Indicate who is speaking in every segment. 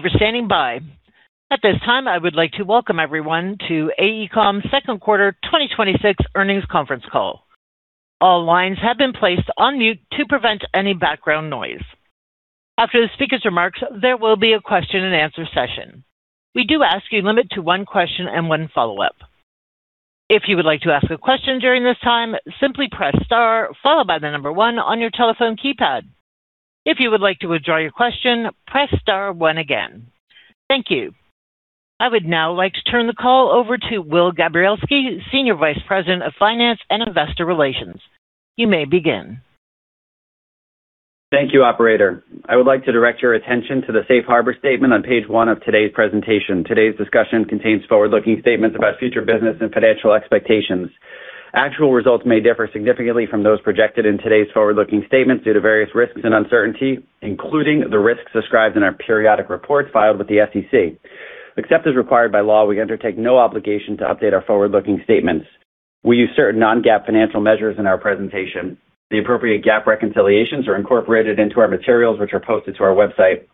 Speaker 1: Thank you for standing by. At this time, I would like to welcome everyone to AECOM second quarter 2026 earnings conference call. All lines have been placed on mute to prevent any background noise. After the speaker's remarks, there will be a question-and-answer session. We do ask you limit to one question and one follow-up. If you would like to ask a question during this time, simply press star followed by the number one on your telephone keypad. If you would like to withdraw your question, press star one again. Thank you. I would now like to turn the call over to Will Gabrielski, Senior Vice President of Finance and Investor Relations. You may begin.
Speaker 2: Thank you, operator. I would like to direct your attention to the Safe Harbor statement on page one of today's presentation. Today's discussion contains forward-looking statements about future business and financial expectations. Actual results may differ significantly from those projected in today's forward-looking statements due to various risks and uncertainty, including the risks described in our periodic reports filed with the SEC. Except as required by law, we undertake no obligation to update our forward-looking statements. We use certain non-GAAP financial measures in our presentation. The appropriate GAAP reconciliations are incorporated into our materials, which are posted to our website.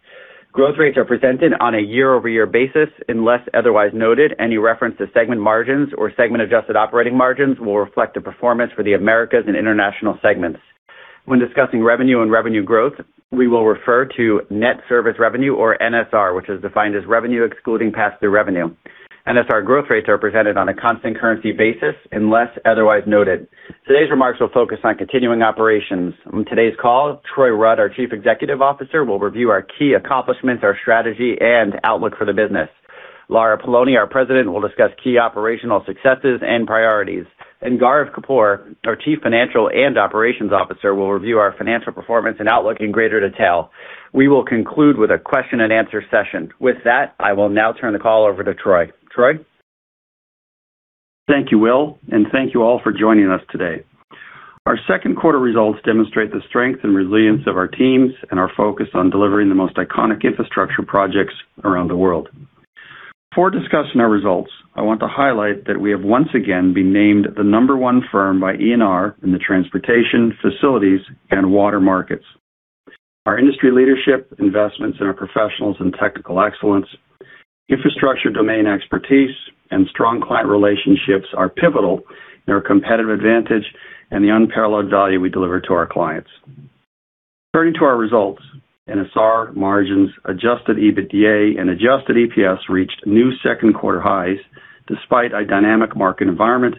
Speaker 2: Growth rates are presented on a year-over-year basis unless otherwise noted. Any reference to segment margins or segment adjusted operating margins will reflect the performance for the Americas and International segments. When discussing revenue and revenue growth, we will refer to net service revenue or NSR, which is defined as revenue excluding pass-through revenue. NSR growth rates are presented on a constant currency basis unless otherwise noted. Today's remarks will focus on continuing operations. On today's call, Troy Rudd, our Chief Executive Officer, will review our key accomplishments, our strategy, and outlook for the business. Lara Poloni, our President, will discuss key operational successes and priorities. Gaurav Kapoor, our Chief Financial and Operations Officer, will review our financial performance and outlook in greater detail. We will conclude with a question-and-answer session. With that, I will now turn the call over to Troy. Troy?
Speaker 3: Thank you, Will, and thank you all for joining us today. Our second quarter results demonstrate the strength and resilience of our teams and our focus on delivering the most iconic infrastructure projects around the world. Before discussing our results, I want to highlight that we have once again been named the number one firm by ENR in the transportation, facilities, and water markets. Our industry leadership, investments in our professionals and technical excellence, infrastructure domain expertise, and strong client relationships are pivotal in our competitive advantage and the unparalleled value we deliver to our clients. Turning to our results, NSR margins, adjusted EBITDA, and adjusted EPS reached new second quarter highs despite a dynamic market environment,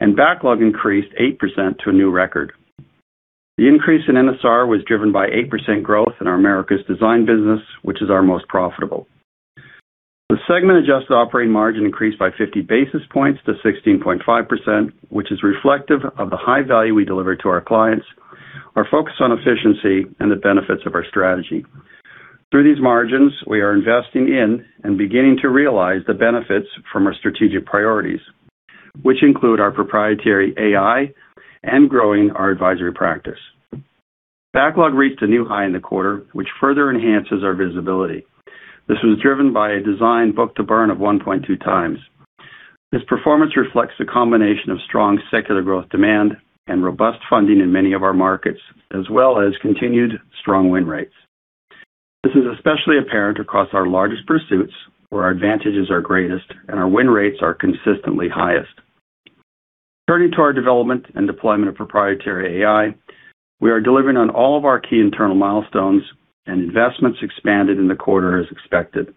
Speaker 3: and backlog increased 8% to a new record. The increase in NSR was driven by 8% growth in our Americas design business, which is our most profitable. The segment adjusted operating margin increased by fifty basis points to 16.5%, which is reflective of the high value we deliver to our clients, our focus on efficiency, and the benefits of our strategy. Through these margins, we are investing in and beginning to realize the benefits from our strategic priorities, which include our proprietary AI and growing our advisory practice. Backlog reached a new high in the quarter, which further enhances our visibility. This was driven by a design book-to-burn of 1.2x. This performance reflects the combination of strong secular growth demand and robust funding in many of our markets, as well as continued strong win rates. This is especially apparent across our largest pursuits, where our advantages are greatest, and our win rates are consistently highest. Turning to our development and deployment of proprietary AI, we are delivering on all of our key internal milestones and investments expanded in the quarter as expected.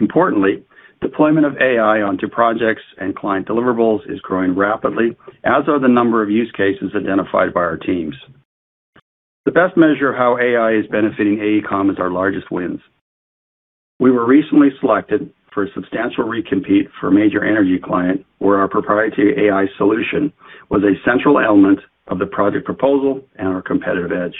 Speaker 3: Importantly, deployment of AI onto projects and client deliverables is growing rapidly, as are the number of use cases identified by our teams. The best measure of how AI is benefiting AECOM is our largest wins. We were recently selected for a substantial recompete for a major energy client, where our proprietary AI solution was a central element of the project proposal and our competitive edge.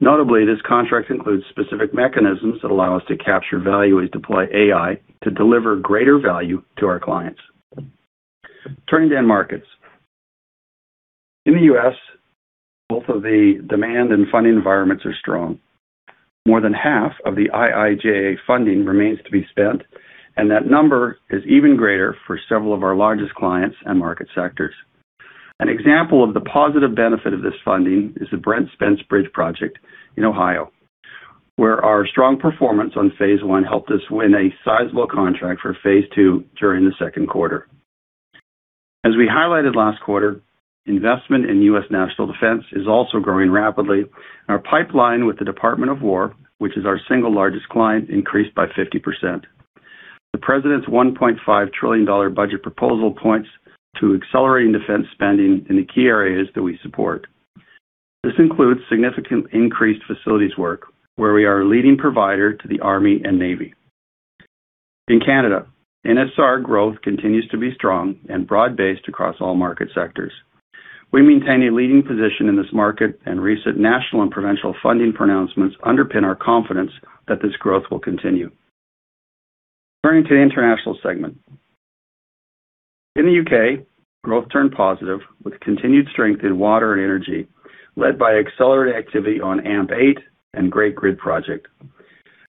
Speaker 3: Notably, this contract includes specific mechanisms that allow us to capture value as we deploy AI to deliver greater value to our clients. Turning to end markets. In the U.S., both of the demand and funding environments are strong. More than half of the IIJA funding remains to be spent, and that number is even greater for several of our largest clients and market sectors. An example of the positive benefit of this funding is the Brent Spence Bridge project in Ohio, where our strong performance on phase 1 helped us win a sizable contract for phase 2 during the second quarter. As we highlighted last quarter, investment in U.S. National Defense is also growing rapidly. Our pipeline with the Department of War, which is our single largest client, increased by 50%. The President's $1.5 trillion budget proposal points to accelerating defense spending in the key areas that we support. This includes significant increased facilities work, where we are a leading provider to the Army and Navy. In Canada, NSR growth continues to be strong and broad-based across all market sectors. We maintain a leading position in this market, and recent national and provincial funding pronouncements underpin our confidence that this growth will continue. Turning to the international segment. In the U.K., growth turned positive with continued strength in water and energy, led by accelerated activity on AMP8 and The Great Grid project.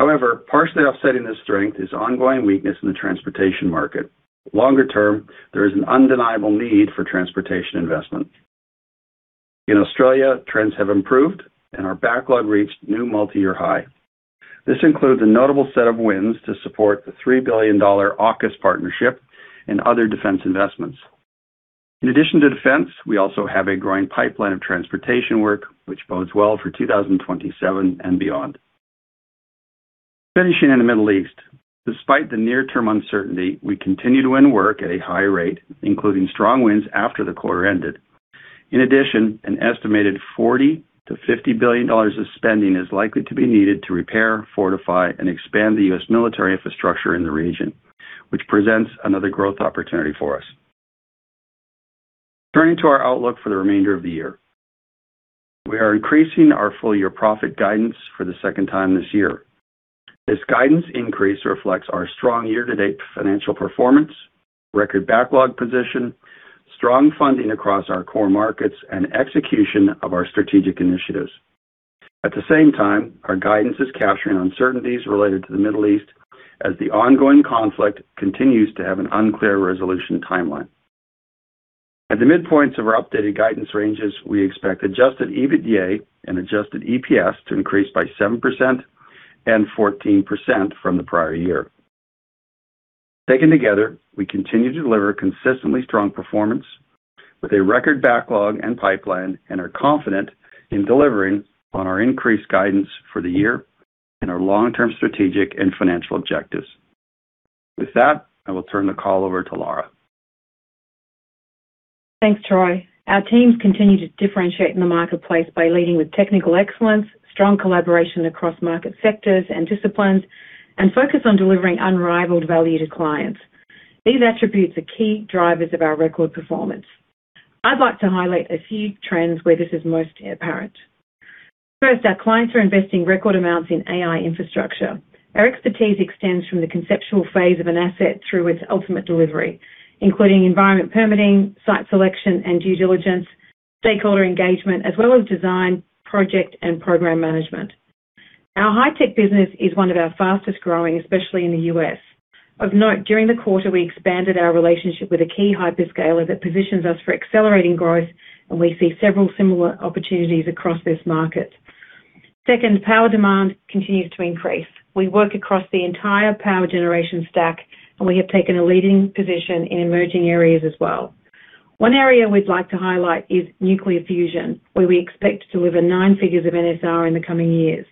Speaker 3: However, partially offsetting this strength is ongoing weakness in the transportation market. Longer term, there is an undeniable need for transportation investment. In Australia, trends have improved and our backlog reached new multi-year high. This includes a notable set of wins to support the $3 billion AUKUS partnership and other defense investments. In addition to defense, we also have a growing pipeline of transportation work, which bodes well for 2027 and beyond. Finishing in the Middle East. Despite the near-term uncertainty, we continue to win work at a high rate, including strong wins after the quarter ended. An estimated $40 billion-$50 billion of spending is likely to be needed to repair, fortify, and expand the U.S. military infrastructure in the region, which presents another growth opportunity for us. Turning to our outlook for the remainder of the year. We are increasing our full-year profit guidance for the second time this year. This guidance increase reflects our strong year-to-date financial performance, record backlog position, strong funding across our core markets, and execution of our strategic initiatives. Our guidance is capturing uncertainties related to the Middle East as the ongoing conflict continues to have an unclear resolution timeline. At the midpoints of our updated guidance ranges, we expect adjusted EBITDA and adjusted EPS to increase by 7% and 14% from the prior year. Taken together, we continue to deliver consistently strong performance with a record backlog and pipeline and are confident in delivering on our increased guidance for the year and our long-term strategic and financial objectives. With that, I will turn the call over to Lara.
Speaker 4: Thanks, Troy. Our teams continue to differentiate in the marketplace by leading with technical excellence, strong collaboration across market sectors and disciplines, and focus on delivering unrivaled value to clients. These attributes are key drivers of our record performance. I'd like to highlight a few trends where this is most apparent. First, our clients are investing record amounts in AI infrastructure. Our expertise extends from the conceptual phase of an asset through its ultimate delivery, including environment permitting, site selection, and due diligence, stakeholder engagement, as well as design, project, and program management. Our high-tech business is one of our fastest-growing, especially in the U.S. Of note, during the quarter, we expanded our relationship with a key hyperscaler that positions us for accelerating growth, and we see several similar opportunities across this market. Second, power demand continues to increase. We work across the entire power generation stack, and we have taken a leading position in emerging areas as well. One area we'd like to highlight is nuclear fusion, where we expect to deliver nine figures of NSR in the coming years.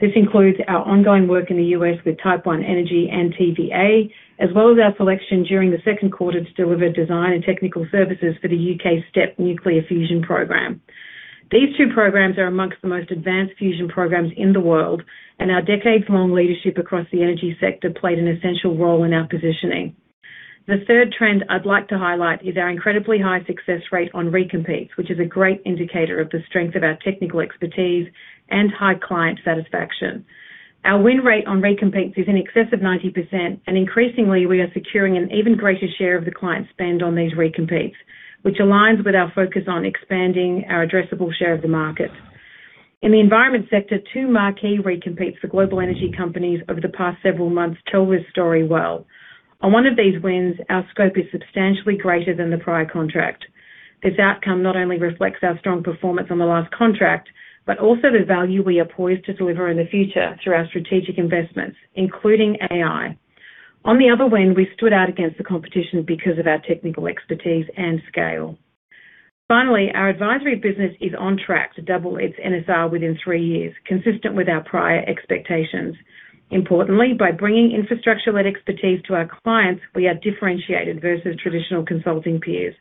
Speaker 4: This includes our ongoing work in the U.S. with Type One Energy and TVA, as well as our selection during the second quarter to deliver design and technical services for the U.K.'s STEP Nuclear Fusion program. These two programs are amongst the most advanced fusion programs in the world, and our decades-long leadership across the energy sector played an essential role in our positioning. The third trend I'd like to highlight is our incredibly high success rate on recompetes, which is a great indicator of the strength of our technical expertise and high client satisfaction. Our win rate on recompetes is in excess of 90%, and increasingly, we are securing an even greater share of the client spend on these recompetes, which aligns with our focus on expanding our addressable share of the market. In the environment sector, two marquee recompetes for global energy companies over the past several months tell this story well. On one of these wins, our scope is substantially greater than the prior contract. This outcome not only reflects our strong performance on the last contract but also the value we are poised to deliver in the future through our strategic investments, including AI. On the other win, we stood out against the competition because of our technical expertise and scale. Finally, our advisory business is on track to double its NSR within three years, consistent with our prior expectations. Importantly, by bringing infrastructure-led expertise to our clients, we are differentiated versus traditional consulting peers,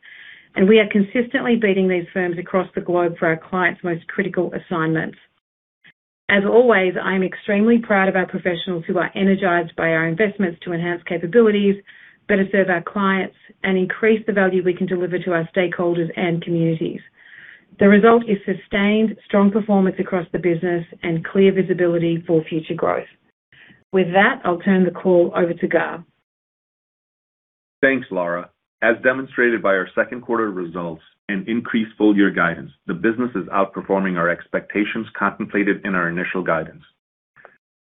Speaker 4: and we are consistently beating these firms across the globe for our clients' most critical assignments. As always, I am extremely proud of our professionals who are energized by our investments to enhance capabilities, better serve our clients, and increase the value we can deliver to our stakeholders and communities. The result is sustained, strong performance across the business and clear visibility for future growth. With that, I'll turn the call over to Gaurav
Speaker 5: Thanks, Lara. As demonstrated by our second quarter results and increased full-year guidance, the business is outperforming our expectations contemplated in our initial guidance.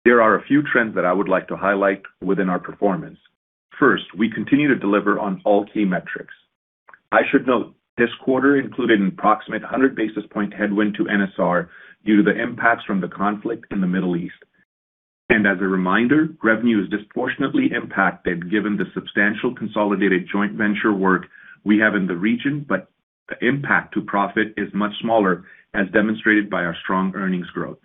Speaker 5: There are a few trends that I would like to highlight within our performance. First, we continue to deliver on all key metrics. I should note, this quarter included an approximate 100 basis point headwind to NSR due to the impacts from the conflict in the Middle East. As a reminder, revenue is disproportionately impacted given the substantial consolidated joint venture work we have in the region, but the impact to profit is much smaller, as demonstrated by our strong earnings growth.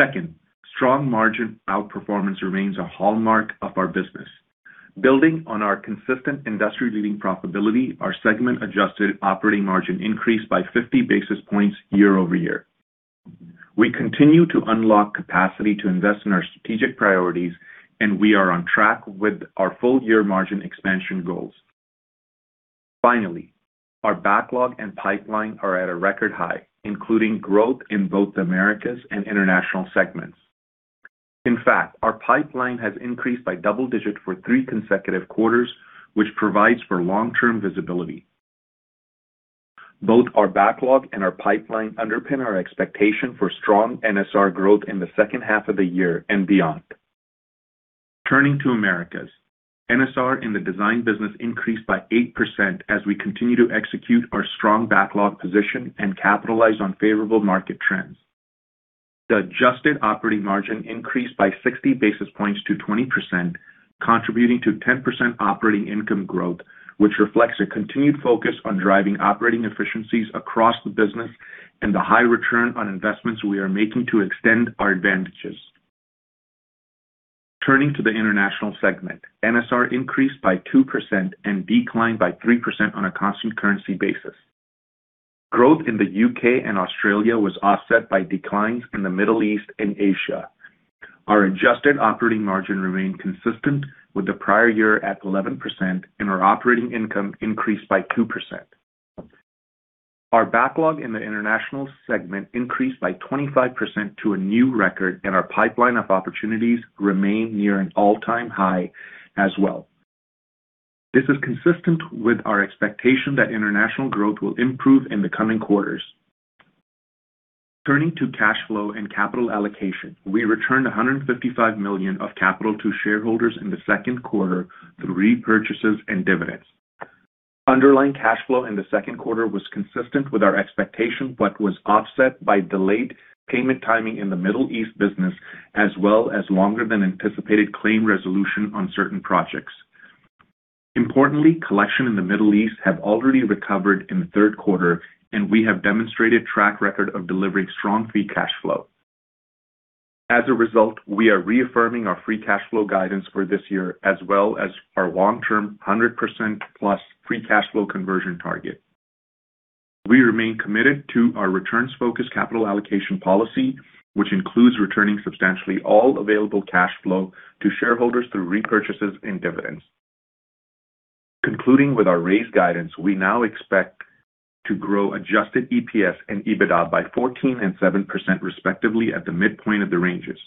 Speaker 5: Second, strong margin outperformance remains a hallmark of our business. Building on our consistent industry-leading profitability, our segment-adjusted operating margin increased by 50 basis points year-over-year. We continue to unlock capacity to invest in our strategic priorities, and we are on track with our full-year margin expansion goals. Finally, our backlog and pipeline are at a record high, including growth in both the Americas and International segments. In fact, our pipeline has increased by double digits for three consecutive quarters, which provides for long-term visibility. Both our backlog and our pipeline underpin our expectation for strong NSR growth in the second half of the year and beyond. Turning to Americas. NSR in the design business increased by 8% as we continue to execute our strong backlog position and capitalize on favorable market trends. The adjusted operating margin increased by 60 basis points to 20%, contributing to 10% operating income growth, which reflects a continued focus on driving operating efficiencies across the business and the high return on investments we are making to extend our advantages. Turning to the international segment, NSR increased by 2% and declined by 3% on a constant currency basis. Growth in the U.K. and Australia was offset by declines in the Middle East and Asia. Our adjusted operating margin remained consistent with the prior year at 11%, and our operating income increased by 2%. Our backlog in the international segment increased by 25% to a new record, and our pipeline of opportunities remain near an all-time high as well. This is consistent with our expectation that international growth will improve in the coming quarters. Turning to cash flow and capital allocation. We returned $155 million of capital to shareholders in the second quarter through repurchases and dividends. Underlying cash flow in the second quarter was consistent with our expectation, but was offset by delayed payment timing in the Middle East business, as well as longer than anticipated claim resolution on certain projects. Importantly, collection in the Middle East have already recovered in the third quarter, and we have demonstrated track record of delivering strong free cash flow. As a result, we are reaffirming our free cash flow guidance for this year as well as our long-term 100%+ free cash flow conversion target. We remain committed to our returns-focused capital allocation policy, which includes returning substantially all available cash flow to shareholders through repurchases and dividends. Concluding with our raised guidance, we now expect to grow adjusted EPS and EBITDA by 14% and 7%, respectively, at the midpoint of the ranges.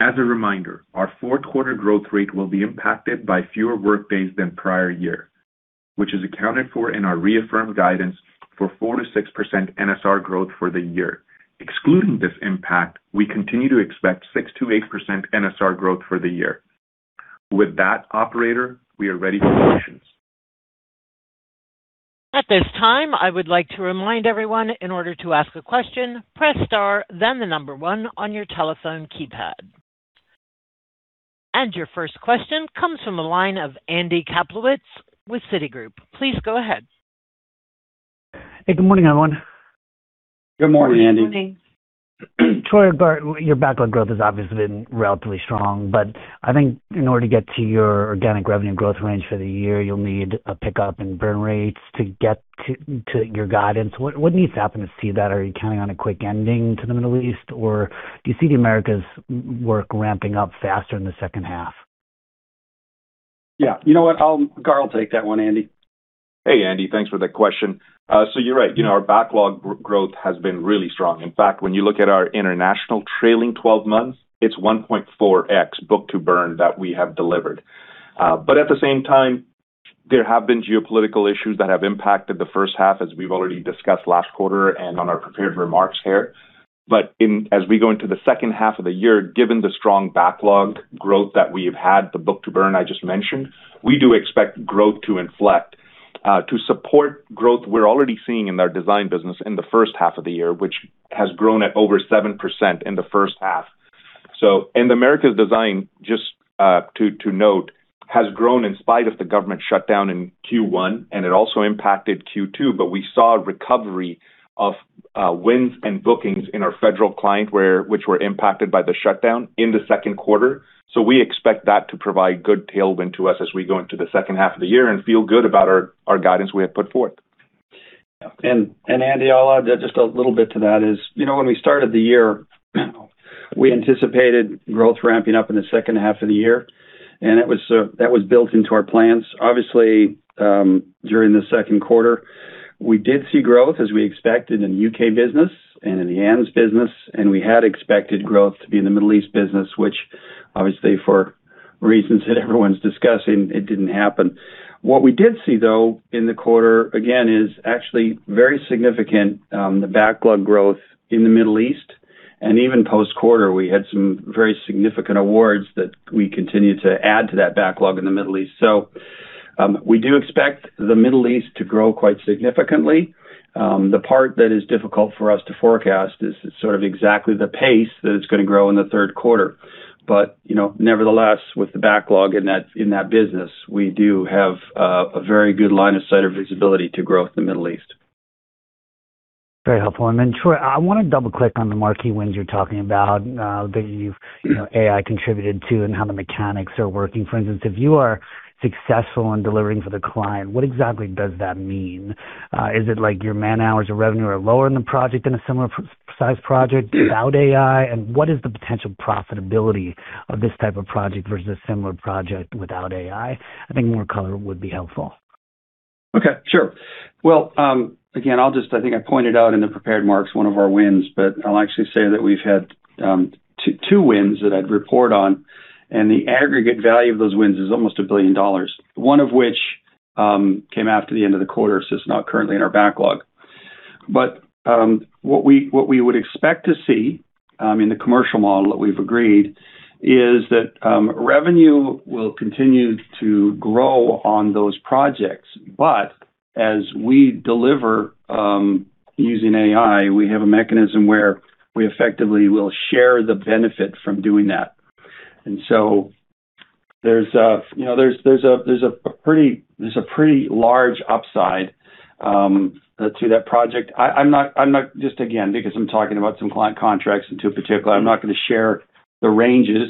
Speaker 5: As a reminder, our fourth quarter growth rate will be impacted by fewer work days than prior year, which is accounted for in our reaffirmed guidance for 4%-6% NSR growth for the year. Excluding this impact, we continue to expect 6%-8% NSR growth for the year. With that operator, we are ready for questions.
Speaker 1: At this time, I would like to remind everyone in order to ask a question, press star, then the number one on your telephone keypad. Your first question comes from the line of Andy Kaplowitz with Citigroup. Please go ahead.
Speaker 6: Hey, good morning, everyone.
Speaker 5: Good morning, Andy.
Speaker 4: Good morning.
Speaker 6: Troy or Gaurav, your backlog growth has obviously been relatively strong. I think in order to get to your organic revenue growth range for the year, you'll need a pickup in burn rates to get to your guidance. What needs to happen to see that? Are you counting on a quick ending to the Middle East, or do you see the Americas' work ramping up faster in the second half?
Speaker 3: Yeah. You know what? Gaurav will take that one, Andy.
Speaker 5: Hey, Andy, thanks for that question. You're right. You know, our backlog growth has been really strong. In fact, when you look at our international trailing 12 months, it's 1.4x book-to-burn that we have delivered. At the same time, there have been geopolitical issues that have impacted the first half, as we've already discussed last quarter and on our prepared remarks here. As we go into the second half of the year, given the strong backlog growth that we've had, the book-to-burn I just mentioned, we do expect growth to inflect to support growth we're already seeing in our design business in the first half of the year, which has grown at over 7% in the first half. In the Americas design, just to note, has grown in spite of the government shutdown in Q1, and it also impacted Q2, but we saw a recovery of wins and bookings in our federal client, which were impacted by the shutdown in the second quarter. We expect that to provide good tailwind to us as we go into the second half of the year and feel good about our guidance we have put forth.
Speaker 3: Andy, I'll add just a little bit to that is, you know, when we started the year, we anticipated growth ramping up in the second half of the year, and it was that was built into our plans. Obviously, during the second quarter, we did see growth as we expected in the U.K. business and in the AMS business, and we had expected growth to be in the Middle East business, which obviously, for reasons that everyone's discussing, it didn't happen. What we did see, though, in the quarter, again, is actually very significant. The backlog growth in the Middle East and even post-quarter, we had some very significant awards that we continued to add to that backlog in the Middle East. We do expect the Middle East to grow quite significantly. The part that is difficult for us to forecast is sort of exactly the pace that it's gonna grow in the third quarter. You know, nevertheless, with the backlog in that business, we do have a very good line of sight or visibility to growth in the Middle East.
Speaker 6: Very helpful. Troy, I wanna double-click on the marquee wins you're talking about, that you've, you know, AI contributed to and how the mechanics are working. For instance, if you are successful in delivering for the client, what exactly does that mean? Is it like your man-hours or revenue are lower in the project than a similar-sized project without AI? What is the potential profitability of this type of project versus a similar project without AI? I think more color would be helpful.
Speaker 3: Okay, sure. Well, again, I think I pointed out in the prepared marks one of our wins. I'll actually say that we've had two wins that I'd report on. The aggregate value of those wins is almost $1 billion, one of which came after the end of the quarter. It's not currently in our backlog. What we would expect to see in the commercial model that we've agreed, is that revenue will continue to grow on those projects. As we deliver using AI, we have a mechanism where we effectively will share the benefit from doing that. There's, you know, there's a pretty large upside to that project. I'm not, just again, because I'm talking about some client contracts and too particular, I'm not gonna share the ranges.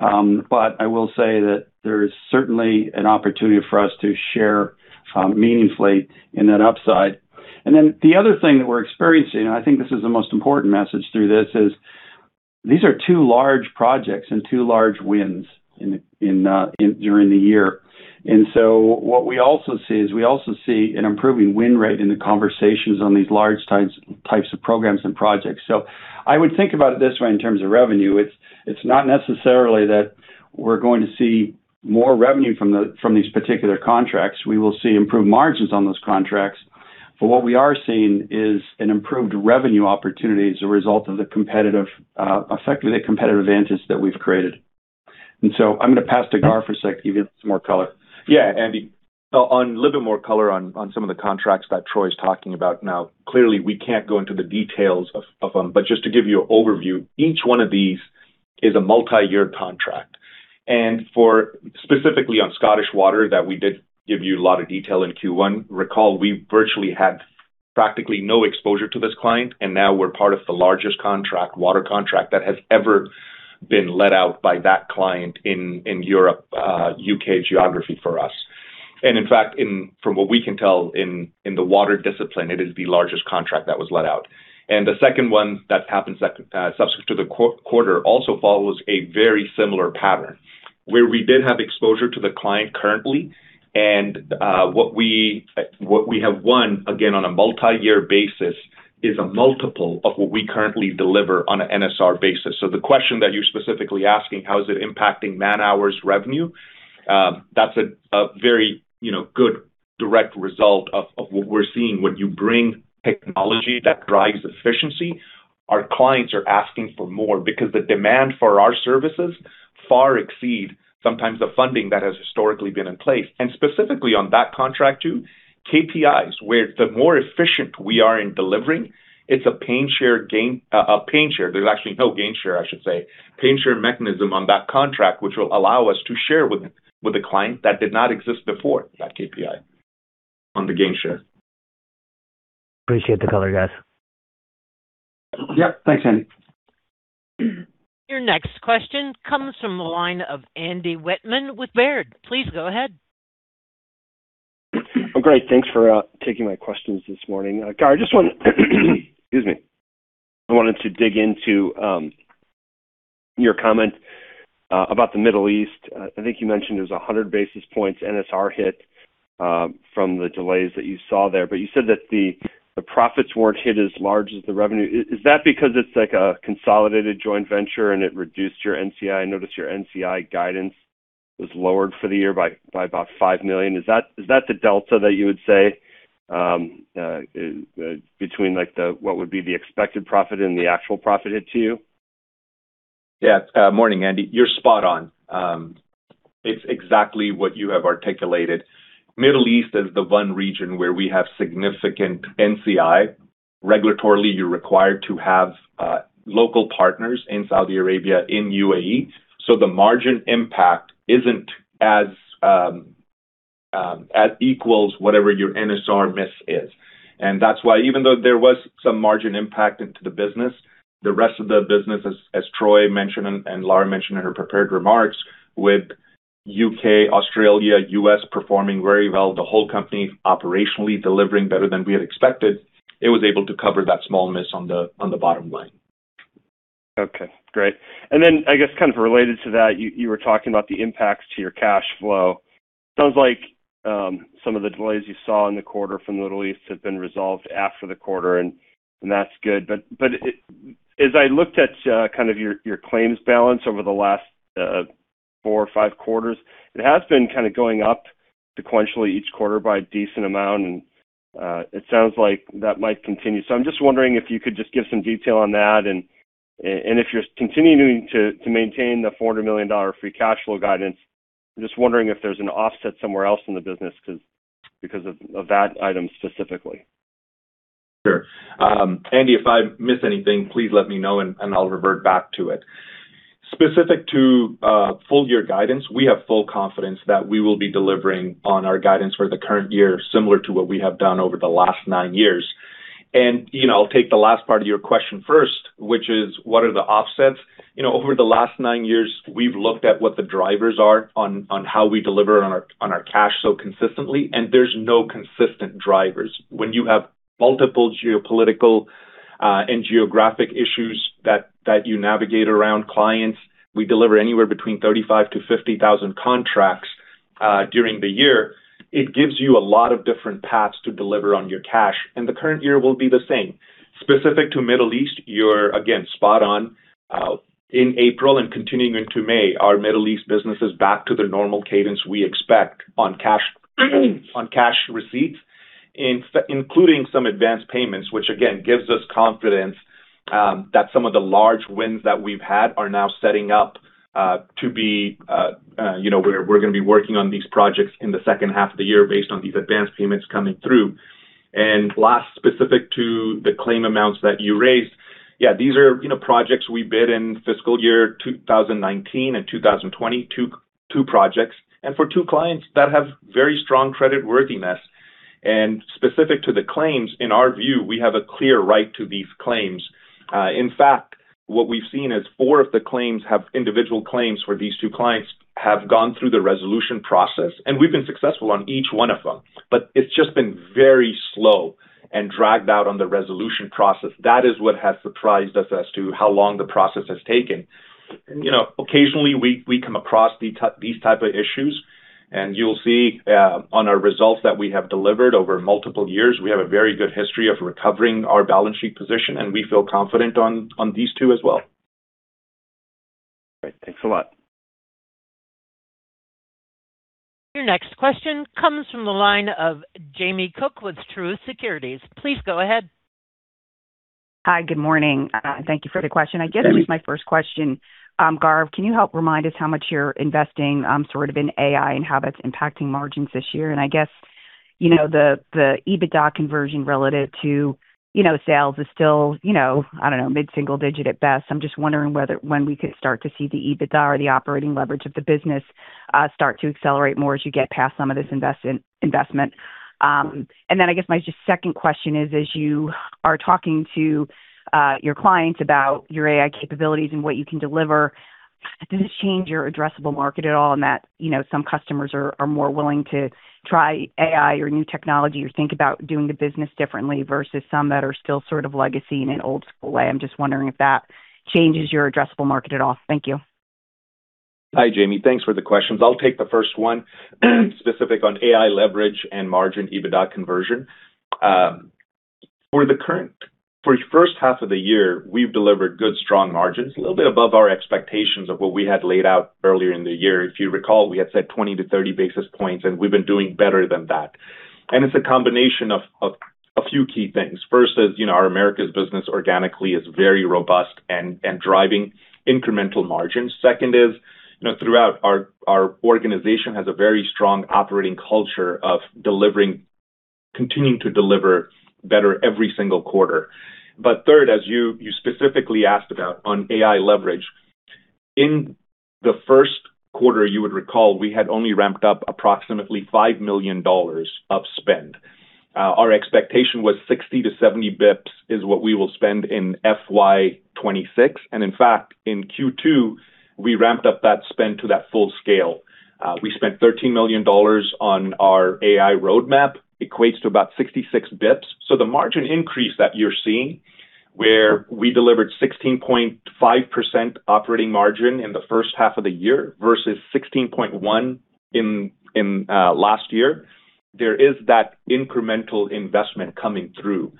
Speaker 3: I will say that there is certainly an opportunity for us to share meaningfully in that upside. The other thing that we're experiencing, and I think this is the most important message through this, is these are two large projects and two large wins in, during the year. What we also see is we also see an improving win rate in the conversations on these large types of programs and projects. I would think about it this way in terms of revenue. It's not necessarily that we're going to see more revenue from these particular contracts. We will see improved margins on those contracts. What we are seeing is an improved revenue opportunity as a result of the competitive, effectively, the competitive advantage that we've created. I'm gonna pass to Gaurav for a sec to give you some more color.
Speaker 5: Andy, a little more color on some of the contracts that Troy's talking about. Clearly, we can't go into the details of them, but just to give you overview, each one of these is a multi-year contract. Specifically, on Scottish Water that we did give you a lot of detail in Q1, recall, we virtually had practically no exposure to this client, and now we're part of the largest contract, water contract, that has ever been let out by that client in Europe, U.K. geography for us. In fact, from what we can tell in the water discipline, it is the largest contract that was let out. The second one that happens after the quarter also follows a very similar pattern, where we did have exposure to the client currently. What we, what we have won, again, on a multi-year basis, is a multiple of what we currently deliver on a NSR basis. The question that you're specifically asking, how is it impacting man-hours revenue, that's a very, you know, good direct result of what we're seeing. When you bring technology that drives efficiency, our clients are asking for more because the demand for our services far exceed sometimes the funding that has historically been in place. Specifically on that contract too, KPIs, where the more efficient we are in delivering, it's a pain share, a pain share. There's actually no gain share, I should say. Pain share mechanism on that contract, which will allow us to share with the client that did not exist before that KPI on the gain share.
Speaker 6: Appreciate the color, guys.
Speaker 3: Yep. Thanks, Andy.
Speaker 1: Your next question comes from the line of Andy Wittmann with Baird. Please go ahead.
Speaker 7: Great. Thanks for taking my questions this morning. Gaurav, excuse me. I wanted to dig into your comment about the Middle East. I think you mentioned there's a 100 basis points NSR hit from the delays that you saw there, but you said that the profits weren't hit as large as the revenue. Is that because it's like a consolidated joint venture and it reduced your NCI? I noticed your NCI guidance was lowered for the year by about $5 million. Is that the delta that you would say between like the expected profit and the actual profit hit to you?
Speaker 5: Yeah. Morning, Andy. You're spot on. It's exactly what you have articulated. Middle East is the one region where we have significant NCI. Regulatorily, you're required to have local partners in Saudi Arabia, in UAE. The margin impact isn't as equals whatever your NSR miss is. That's why even though there was some margin impact into the business, the rest of the business, as Troy mentioned and Lara mentioned in her prepared remarks, with U.K., Australia, U.S. performing very well, the whole company operationally delivering better than we had expected, it was able to cover that small miss on the bottom line.
Speaker 7: Okay, great. I guess kind of related to that, you were talking about the impacts to your cash flow. Sounds like some of the delays you saw in the quarter from the Middle East have been resolved after the quarter, and that's good. As I looked at kind of your claims balance over the last four or five quarters, it has been kind of going up sequentially each quarter by a decent amount, and it sounds like that might continue. I'm just wondering if you could just give some detail on that. If you're continuing to maintain the $400 million free cash flow guidance, I'm just wondering if there's an offset somewhere else in the business because of that item specifically.
Speaker 5: Sure. Andy, if I miss anything, please let me know, and I'll revert back to it. Specific to full-year guidance, we have full confidence that we will be delivering on our guidance for the current year, similar to what we have done over the last nine years. You know, I'll take the last part of your question first, which is what are the offsets? You know, over the last nine years, we've looked at what the drivers are on how we deliver on our cash so consistently, and there's no consistent drivers. When you have multiple geopolitical and geographic issues that you navigate around clients, we deliver anywhere between 35,000-50,000 contracts during the year. It gives you a lot of different paths to deliver on your cash, and the current year will be the same. Specific to Middle East, you're again spot on. In April and continuing into May, our Middle East business is back to the normal cadence we expect on cash, on cash receipts, including some advanced payments, which again, gives us confidence that some of the large wins that we've had are now setting up to be, you know, we're gonna be working on these projects in the second half of the year based on these advanced payments coming through. Last, specific to the claim amounts that you raised, yeah, these are, you know, projects we bid in fiscal year 2019 and 2020, two projects, and for two clients that have very strong creditworthiness. Specific to the claims, in our view, we have a clear right to these claims. In fact, what we've seen is four of the claims have individual claims where these two clients have gone through the resolution process, and we've been successful on each one of them. It's just been very slow and dragged out on the resolution process. That is what has surprised us as to how long the process has taken. You know, occasionally we come across these type of issues, and you'll see, on our results that we have delivered over multiple years, we have a very good history of recovering our balance sheet position, and we feel confident on these two as well.
Speaker 7: Great. Thanks a lot.
Speaker 1: Your next question comes from the line of Jamie Cook with Truist Securities. Please go ahead.
Speaker 8: Hi, good morning. Thank you for the question.
Speaker 5: Jamie.
Speaker 8: I guess my first question, Gaurav, can you help remind us how much you're investing, sort of in AI and how that's impacting margins this year? I guess, you know, the EBITDA conversion relative to, you know, sales is still, you know, I don't know, mid-single digit at best. I'm just wondering whether when we could start to see the EBITDA or the operating leverage of the business start to accelerate more as you get past some of this investment. I guess my just second question is, as you are talking to your clients about your AI capabilities and what you can deliver, does this change your addressable market at all in that, you know, some customers are more willing to try AI or new technology or think about doing the business differently, versus some that are still sort of legacy in an old school way? I'm just wondering if that changes your addressable market at all. Thank you.
Speaker 5: Hi, Jamie. Thanks for the questions. I'll take the first one specific on AI leverage and margin EBITDA conversion. For the first half of the year, we've delivered good, strong margins, a little bit above our expectations of what we had laid out earlier in the year. If you recall, we had said 20-30 basis points; we've been doing better than that. It's a combination of a few key things. First is, you know, our Americas business organically is very robust and driving incremental margins. Second is, you know, throughout our organization has a very strong operating culture of continuing to deliver better every single quarter. Third, as you specifically asked about on AI leverage. In the first quarter, you would recall, we had only ramped up approximately $5 million of spend. Our expectation was 60-70 bps is what we will spend in FY 2026. In fact, in Q2, we ramped up that spend to that full scale. We spent $13 million on our AI roadmap, equates to about 66 bps. The margin increase that you're seeing, where we delivered 16.5% operating margin in the first half of the year versus 16.1 in last year, there is that incremental investment coming through.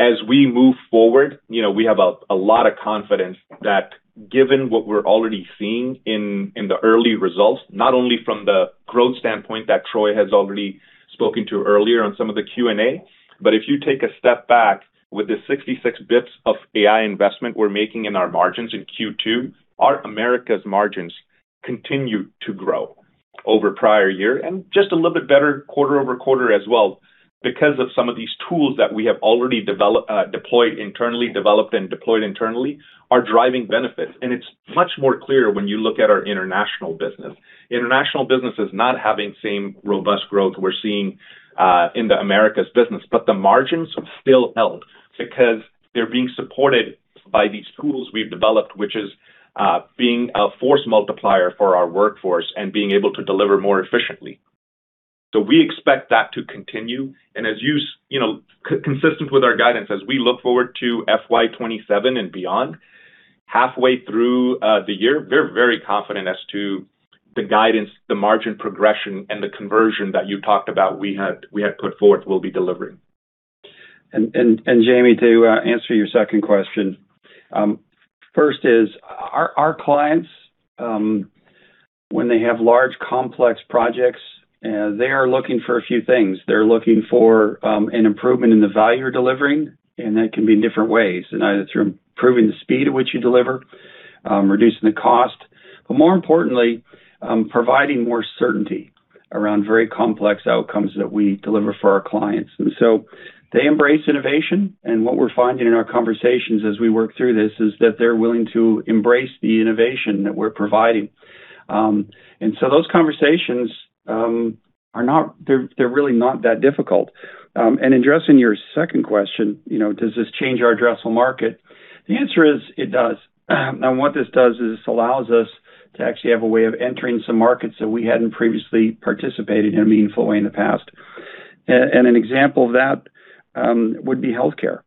Speaker 5: As we move forward, you know, we have a lot of confidence that given what we're already seeing in the early results, not only from the growth standpoint that Troy has already spoken to earlier on some of the Q&A. If you take a step back with the 66 basis points of AI investment we're making in our margins in Q2, our Americas margins continue to grow over prior year, just a little bit better quarter-over-quarter as well, because of some of these tools that we have already developed and deployed internally are driving benefits. It's much more clear when you look at our international business. International business is not having same robust growth we're seeing in the Americas business; the margins still held because they're being supported by these tools we've developed, which is being a force multiplier for our workforce and being able to deliver more efficiently. We expect that to continue. As you know, consistent with our guidance, as we look forward to FY 2027 and beyond, halfway through the year, we're very confident as to the guidance, the margin progression, and the conversion that you talked about we had put forth we'll be delivering.
Speaker 3: Jamie, to answer your second question, first is our clients, when they have large, complex projects. They are looking for a few things. They're looking for an improvement in the value you're delivering, and that can be in different ways. Either through improving the speed at which you deliver, reducing the cost, but more importantly, providing more certainty around very complex outcomes that we deliver for our clients. They embrace innovation, and what we're finding in our conversations as we work through this is that they're willing to embrace the innovation that we're providing. Those conversations, they're really not that difficult. Addressing your second question, you know, does this change our addressable market? The answer is it does. What this does is this allows us to actually have a way of entering some markets that we hadn't previously participated in a meaningful way in the past. An example of that would be healthcare.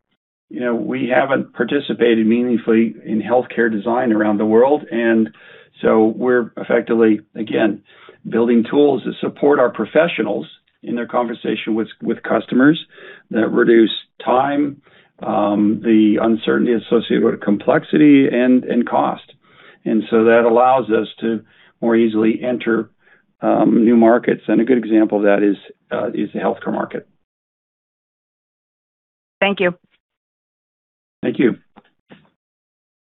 Speaker 3: You know, we haven't participated meaningfully in healthcare design around the world, so we're effectively, again, building tools to support our professionals in their conversation with customers that reduce time, the uncertainty associated with complexity and cost. That allows us to more easily enter new markets. A good example of that is the healthcare market.
Speaker 8: Thank you.
Speaker 3: Thank you.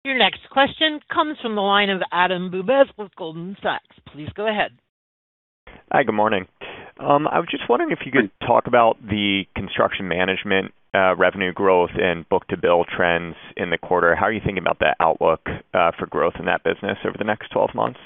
Speaker 1: Your next question comes from the line of Adam Bubes with Goldman Sachs. Please go ahead.
Speaker 9: Hi, good morning. I was just wondering if you could talk about the construction management revenue growth and book-to-bill trends in the quarter. How are you thinking about the outlook for growth in that business over the next 12 months?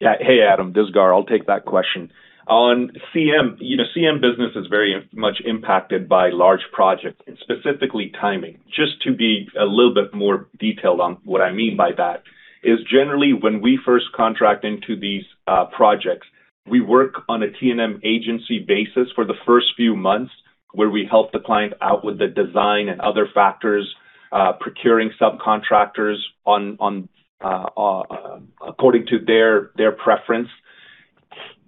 Speaker 3: Yeah. Hey, Adam. I'll take that question. On CM, you know, CM business is very much impacted by large projects and specifically timing. Just to be a little bit more detailed on what I mean by that is generally when we first contract into these projects, we work on a T&M agency basis for the first few months, where we help the client out with the design and other factors, procuring subcontractors on according to their preference.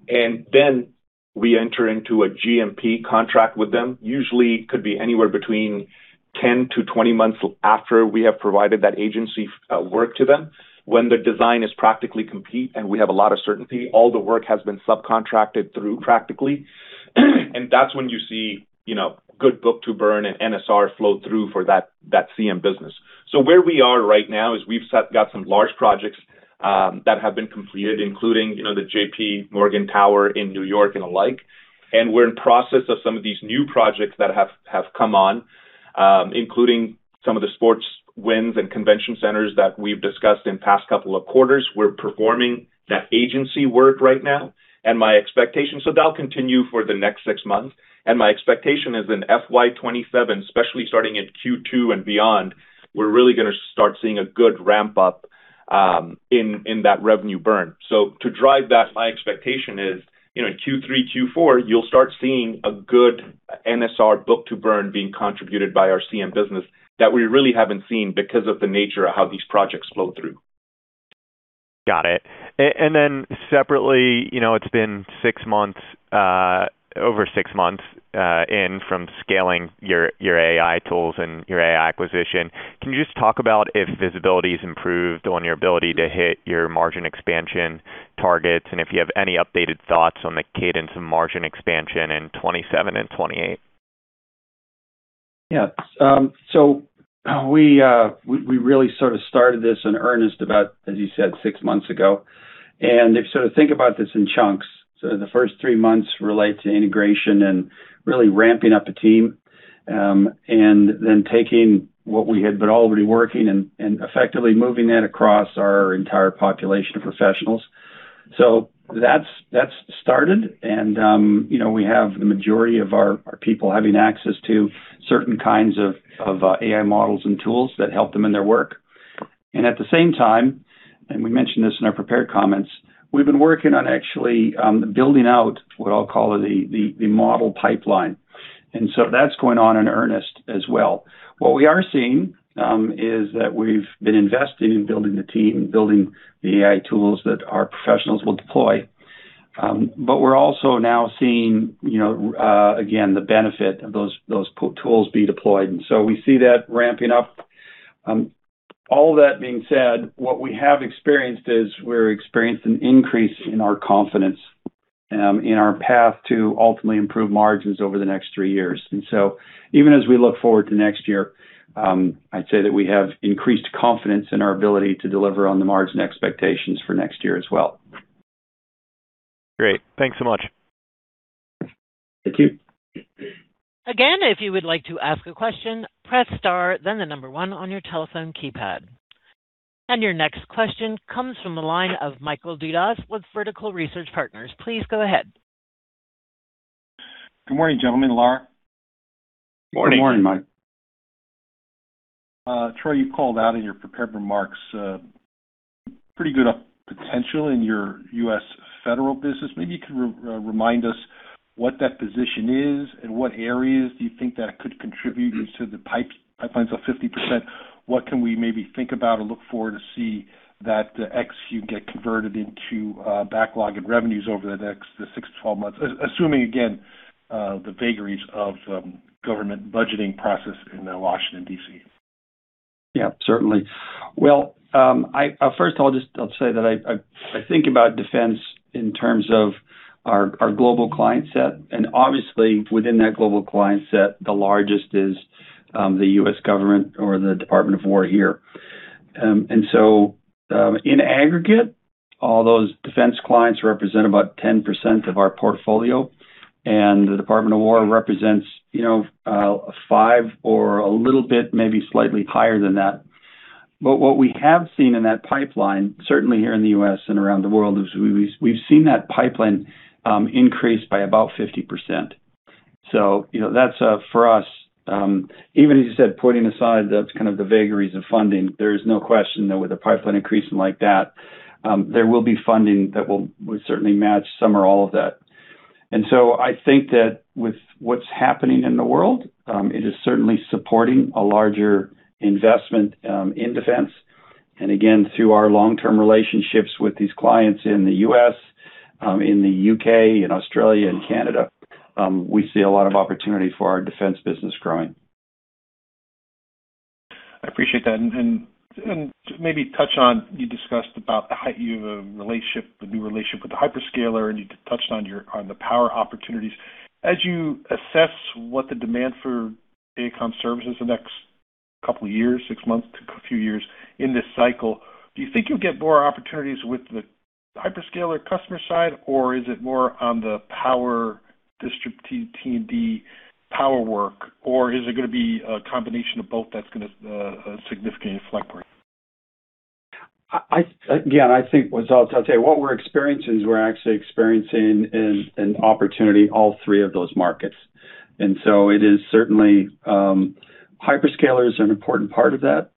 Speaker 3: And then we enter into a GMP contract with them. Usually could be anywhere between 10 to 20 months after we have provided that agency work to them. When the design is practically complete, and we have a lot of certainty, all the work has been subcontracted through practically, and that's when you see, you know, good book-to-burn and NSR flow through for that CM business. Where we are right now is we've got some large projects that have been completed, including, you know, the JPMorgan Tower in New York and the like. We're in process of some of these new projects that have come on, including some of the sports wins and convention centers that we've discussed in past couple of quarters. We're performing that agency work right now. That'll continue for the next six months. My expectation is in FY 2027, especially starting in Q2 and beyond, we're really gonna start seeing a good ramp-up in that revenue burn. To drive that, my expectation is, you know, Q3, Q4, you'll start seeing a good NSR book-to-burn being contributed by our CM business that we really haven't seen because of the nature of how these projects flow through.
Speaker 9: Got it. Separately, you know, it's been six months, over six months in from scaling your AI tools and your AI acquisition. Can you just talk about if visibility's improved on your ability to hit your margin expansion targets, and if you have any updated thoughts on the cadence and margin expansion in 2027 and 2028?
Speaker 3: We really sort of started this in earnest about, as you said, six months ago. If you sort of think about this in chunks, the first three months relate to integration and really ramping up a team, and then taking what we had been already working and effectively moving that across our entire population of professionals. That's started. You know, we have the majority of our people having access to certain kinds of AI models and tools that help them in their work. At the same time, and we mentioned this in our prepared comments, we've been working on actually building out what I'll call the model pipeline. That's going on in earnest as well. What we are seeing is that we've been investing in building the team, building the AI tools that our professionals will deploy. But we're also now seeing, you know, again, the benefit of those tools be deployed. We see that ramping up. All that being said, what we have experienced is we're experiencing an increase in our confidence in our path to ultimately improve margins over the next three years. Even as we look forward to next year, I'd say that we have increased confidence in our ability to deliver on the margin expectations for next year as well.
Speaker 9: Great. Thanks so much.
Speaker 3: Thank you.
Speaker 1: Again, if you would like to ask a question, press star, then the number one on your telephone keypad. Your next question comes from the line of Michael Dudas with Vertical Research Partners. Please go ahead.
Speaker 10: Good morning, gentlemen, Lara.
Speaker 3: Morning. Good morning, Mike.
Speaker 10: Troy, you called out in your prepared remarks, pretty good up potential in your U.S. federal business. Maybe you could remind us what that position is and what areas do you think that could contribute into the pipelines of 50%. What can we maybe think about or look forward to see that the X you get converted into backlog and revenues over the next 6-12 months, assuming again, the vagaries of government budgeting process in Washington, D.C.
Speaker 3: Yeah, certainly. Well, first, I'll just say that I think about defense in terms of our global client set. Obviously, within that global client set, the largest is the U.S. government or the Department of War here. In aggregate, all those defense clients represent about 10% of our portfolio, and the Department of War represents, you know, five or a little bit, maybe slightly higher than that. What we have seen in that pipeline, certainly here in the U.S. and around the world, is we've seen that pipeline increase by about 50%. You know, that's for us, even as you said, putting aside that's kind of the vagaries of funding, there is no question that with the pipeline increasing like that, there will be funding that will certainly match some or all of that. I think that with what's happening in the world, it is certainly supporting a larger investment in defense. Again, through our long-term relationships with these clients in the U.S., in the U.K., and Australia and Canada, we see a lot of opportunity for our defense business growing.
Speaker 10: I appreciate that. Maybe touch on, you discussed about the height of a relationship, the new relationship with the hyperscaler, and you touched on the power opportunities. As you assess what the demand for AECOM services the next couple of years, six months to a few years in this cycle, do you think you'll get more opportunities with the hyperscaler customer side, or is it more on the power district T&D power work, or is it gonna be a combination of both that's gonna significantly affect growth?
Speaker 3: Again, I think what I'll tell you, what we're experiencing is we're actually experiencing an opportunity, all three of those markets. It is certainly hyperscaler is an important part of that,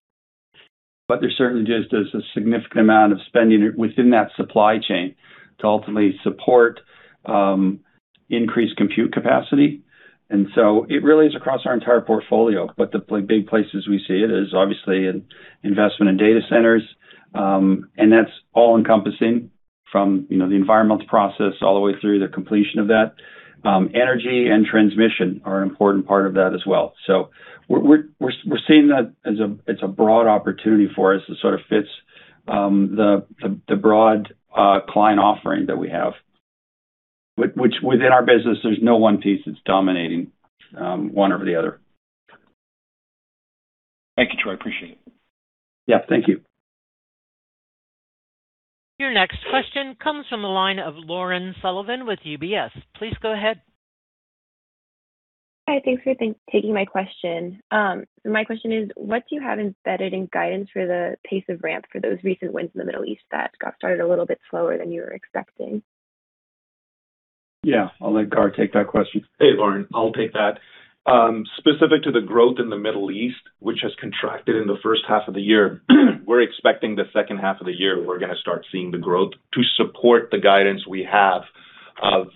Speaker 3: but there certainly just is a significant amount of spending within that supply chain to ultimately support increased compute capacity. It really is across our entire portfolio. The big places we see it is obviously in investment in data centers, and that's all-encompassing from, you know, the environmental process all the way through the completion of that. Energy and transmission are an important part of that as well. We're seeing that as a broad opportunity for us. It sort of fits the broad client offering that we have. Which within our business, there's no one piece that's dominating, one over the other.
Speaker 10: Thank you, Troy. I appreciate it.
Speaker 3: Yeah. Thank you.
Speaker 1: Your next question comes from the line of Lauren Sullivan with UBS. Please go ahead.
Speaker 11: Hi, thanks for taking my question. My question is, what do you have embedded in guidance for the pace of ramp for those recent wins in the Middle East that got started a little bit slower than you were expecting?
Speaker 3: Yeah. I'll let Gaurav take that question.
Speaker 5: Hey, Lauren, I'll take that. Specific to the growth in the Middle East, which has contracted in the first half of the year, we're expecting the second half of the year, we're gonna start seeing the growth to support the guidance we have of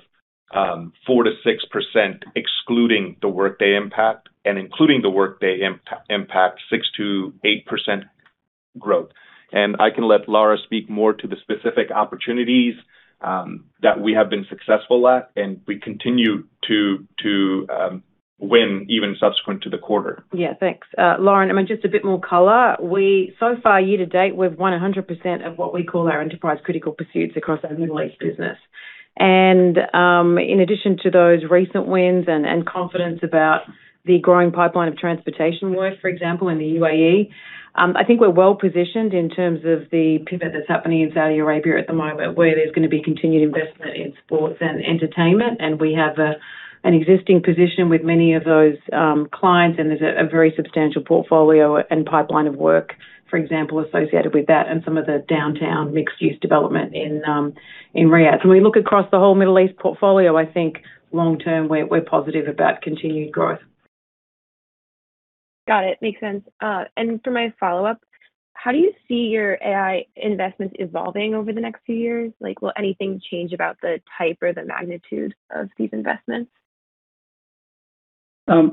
Speaker 5: 4%-6%, excluding the Workday impact, and including the Workday impact, 6%-8% growth. I can let Lara speak more to the specific opportunities that we have been successful at, and we continue to win even subsequent to the quarter.
Speaker 4: Thanks, Lauren, I mean, just a bit more color. So far, year to date, we've won 100% of what we call our enterprise critical pursuits across our Middle East business. In addition to those recent wins and confidence about the growing pipeline of transportation work, for example, in the UAE, I think we're well-positioned in terms of the pivot that's happening in Saudi Arabia at the moment, where there's gonna be continued investment in sports and entertainment. We have an existing position with many of those clients, and there's a very substantial portfolio and pipeline of work, for example, associated with that and some of the downtown mixed-use development in Riyadh. We look across the whole Middle East portfolio. I think long-term, we're positive about continued growth.
Speaker 11: Got it. Makes sense. For my follow-up, how do you see your AI investments evolving over the next few years? Like, will anything change about the type or the magnitude of these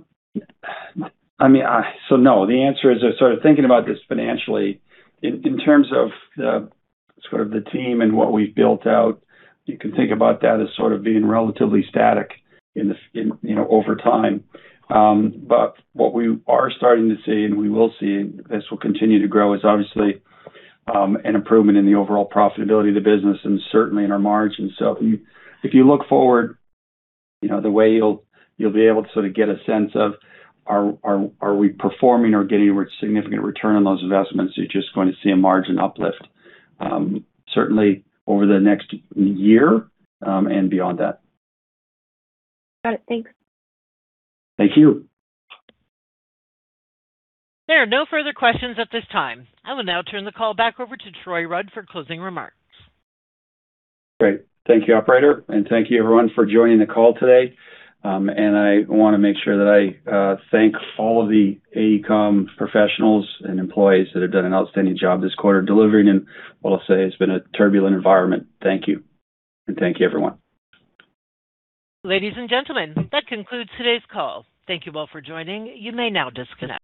Speaker 11: investments?
Speaker 3: I mean, so no. The answer is, sort of thinking about this financially, in terms of the team and what we've built out, you can think about that as sort of being relatively static in, you know, over time. What we are starting to see, and we will see, and this will continue to grow, is obviously an improvement in the overall profitability of the business and certainly in our margins. If you look forward, you know, the way you'll be able to sort of get a sense of are we performing or getting a significant return on those investments? You're just going to see a margin uplift, certainly over the next year and beyond that.
Speaker 11: Got it. Thanks.
Speaker 3: Thank you.
Speaker 1: There are no further questions at this time. I will now turn the call back over to Troy Rudd for closing remarks.
Speaker 3: Great. Thank you, operator. Thank you, everyone, for joining the call today. I wanna make sure that I thank all of the AECOM professionals and employees that have done an outstanding job this quarter, delivering in what I'll say has been a turbulent environment. Thank you. Thank you, everyone.
Speaker 1: Ladies and gentlemen, that concludes today's call. Thank you all for joining. You may now disconnect.